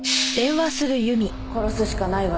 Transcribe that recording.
殺すしかないわ。